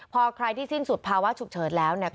พอใครที่สิ้นสุดภาวะฉุกเฉินแล้วเนี่ย